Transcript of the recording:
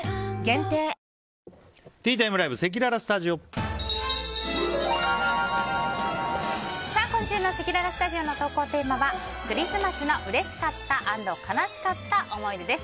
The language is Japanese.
怒るような感じで今週のせきららスタジオの投稿テーマはクリスマスのうれしかった＆悲しかった思い出です。